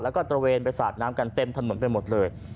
แล้วก็ตระเวนไปสาดน้ำกันเต็มถนนไปหมดเลย